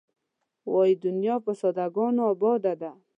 وایې دنیا په ساده ګانو آباده ده.